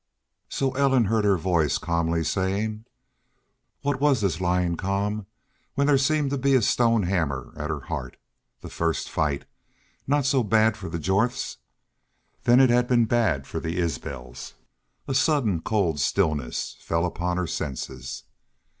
"So Ellen heard her voice calmly saying. What was this lying calm when there seemed to be a stone hammer at her heart? The first fight not so bad for the Jorths! Then it had been bad for the Isbels. A sudden, cold stillness fell upon her senses.